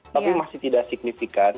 tapi masih tidak signifikan